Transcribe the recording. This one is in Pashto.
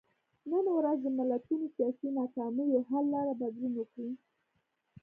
نن ورځ د ملتونو سیاسي ناکامیو حل لاره بدلون وکړي.